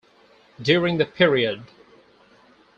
During the period.